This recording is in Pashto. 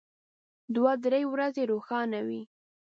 دوه درې ورځې روښانه وي.